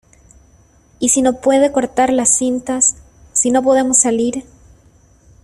¿ y si no puede cortar las cintas, si no podemos salir?